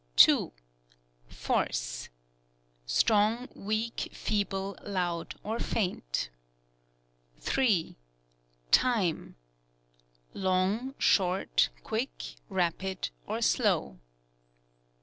2. Force — strong, weak, feeble, loud or faint. 3. Time — long, short, quick, rapid or slow.